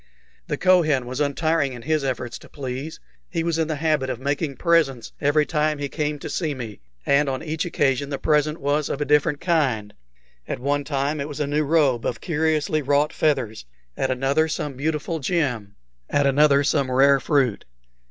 The Kohen was untiring in his efforts to please. He was in the habit of making presents every time he came to see me, and on each occasion the present was of a different kind; at one time it was a new robe of curiously wrought feathers, at another some beautiful gem, at another some rare fruit.